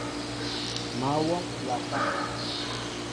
Mă wɔŋ flapan.